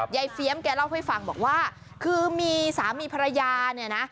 เฟียมแกเล่าให้ฟังบอกว่าคือมีสามีภรรยาเนี่ยนะ